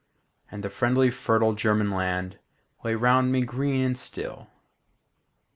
And the friendly fertile German land Lay round me green and still.